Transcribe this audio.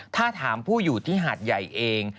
ถ้าถามผู้อยู่ที่หาดใหญ่เอง